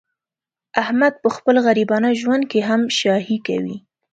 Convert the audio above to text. احمد په خپل غریبانه ژوند کې هم شاهي کوي.